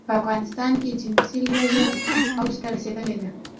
په افغانستان کې جنسي لوږه اوج ته رسېدلې ده.